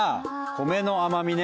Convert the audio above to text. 米の甘みね。